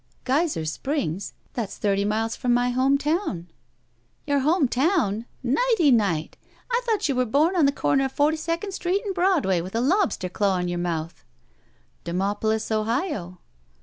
"Geyser Springs. That's thirty miles from my home town." "Your home town? Nighty night! I thought you was bom on the comer of Forty second Street and Broadway with a lobster claw in your mouth." "Demopolis, Ohio."